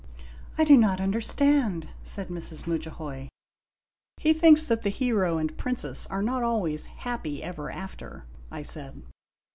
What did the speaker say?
" I do not understand ?" said Mrs. Mudjahoy. "He thinks that the hero and princess are not always 'happy ever after,' ' I said.